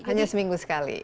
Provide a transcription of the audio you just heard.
hanya seminggu sekali